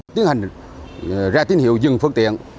tiến hành ra tín hiệu dừng phương tiện